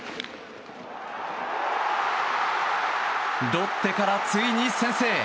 ロッテから、ついに先制！